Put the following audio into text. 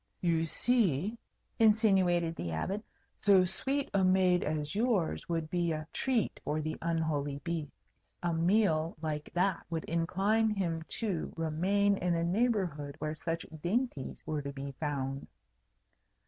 "You see," insinuated the Abbot, "so sweet a maid as yours would be a treat for the unholy beast. A meal like that would incline him to remain in a neighbourhood where such dainties were to be found."